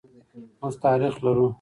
موږ تاریخ لرو.